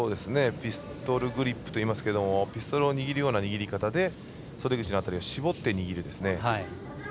ピストルグリップといいますけどもピストルを握るような握り方で袖口を絞って握るんですね。